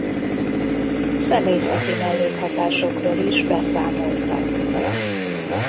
Szemészeti mellékhatásokról is beszámoltak.